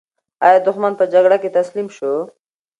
ایا دښمن په جګړه کې تسلیم شو؟